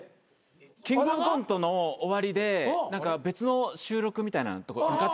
キングオブコントの終わりで別の収録みたいなとこ向かってたんすけど。